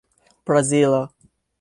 Brazilo